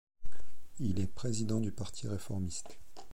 Il est président du Parti réformiste.